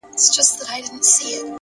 هر منزل د هڅو ثبوت غواړي،